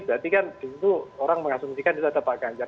berarti kan di situ orang mengasumsi kan di sada pak ganjar